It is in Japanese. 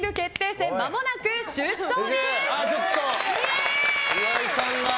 戦まもなく出走です。